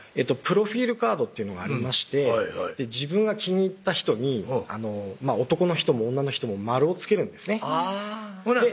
プロフィールカードっていうのがありまして自分が気に入った人に男の人も女の人も丸をつけるんですねほな